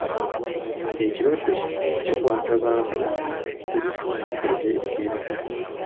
Ekirwadde kino kikwata bantu ku bitundu eby’ebigere.